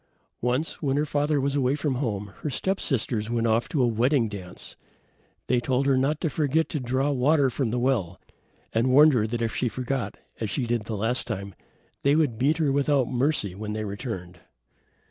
Once, when her father was away from home, her step sisters went off to a wedding dance. They told her not to forget to draw water from the well, and warned her that if she forgot, as she did the last time, they would beat her without mercy when they returned.